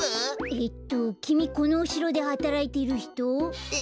えっときみこのおしろではたらいてるひと？え？